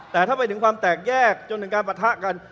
แต่ถ้าไปถึงความแตกแยกจนถึงการปะทะกัน